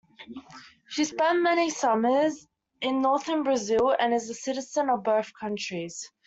She spent many summers in northern Brazil, and is a citizen of both countries.